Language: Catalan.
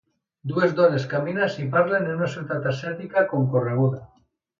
Dues dones caminen i parlen en una ciutat asiàtica concorreguda.